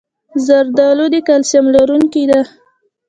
زردالو د کلسیم لرونکی ده.